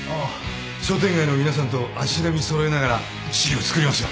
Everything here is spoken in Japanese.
商店街の皆さんと足並み揃えながら資料を作りますよ。